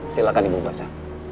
silahkan ibu baca